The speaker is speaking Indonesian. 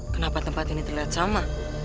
kenapa tempat ini terlihat sama